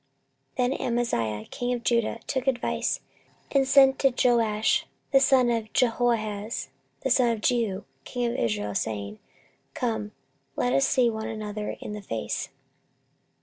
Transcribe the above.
14:025:017 Then Amaziah king of Judah took advice, and sent to Joash, the son of Jehoahaz, the son of Jehu, king of Israel, saying, Come, let us see one another in the face.